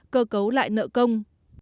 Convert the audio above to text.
cơ cấu lại nợ công